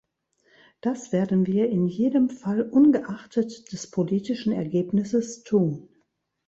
Das werden wir in jedem Fall ungeachtet des politischen Ergebnisses tun.